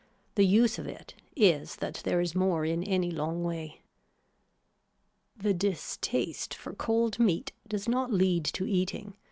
The use of it is that there is more in any long way. The distaste for cold meat does not lead to eating.